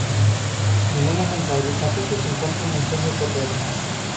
Ningún ejemplar de esta especie se encuentra en museos ecuatorianos.